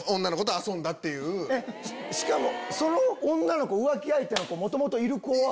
しかもその女の子浮気相手の子元々いる子は？